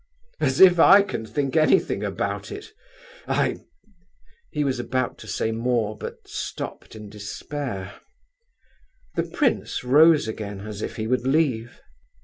"As if I can think anything about it! I—" He was about to say more, but stopped in despair. The prince rose again, as if he would leave.